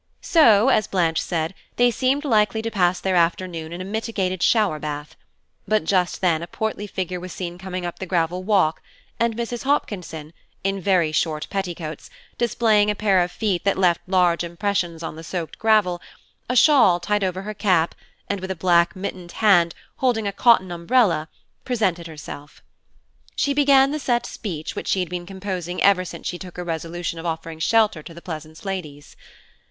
So, as Blanche said, they seemed likely to pass their afternoon in a mitigated shower bath; but just then a portly figure was seen coming up the gravel walk, and Mrs. Hopkinson, in very short petticoats, displaying a pair of feet that left large impressions on the soaked gravel, a shawl tied over her cap, and with a black mittened hand, holding a cotton umbrella, presented herself. She began the set speech which she had been composing ever since she took her resolution of offering shelter to the Pleasance ladies.